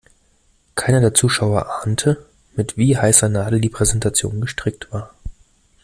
Keiner der Zuschauer ahnte, mit wie heißer Nadel die Präsentation gestrickt war.